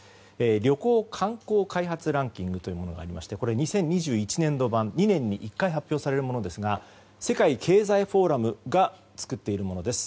旅行・観光開発ランキングというものがありましてこれ、２０２１年度版２年に一回発表されるものですが世界経済フォーラムが作っているものです。